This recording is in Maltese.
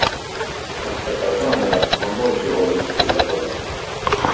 Naħseb tal-cameras m'għandhomx joqogħdu s-seduta kollha.